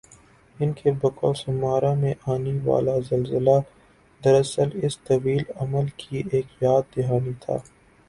ان کی بقول سمارا میں آنی والازلزلہ دراصل اس طویل عمل کی ایک یاد دہانی تھا